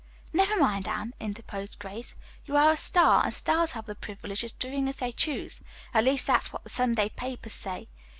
"Never mind, Anne," interposed Grace, "you are a star, and stars have the privilege of doing as they choose. At least that's what the Sunday papers say.